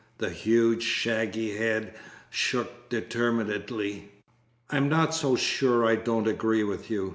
The huge, shaggy head shook determinedly. "I'm not so sure I don't agree with you.